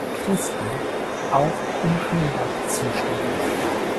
Christen auch in Haimbach zuständig.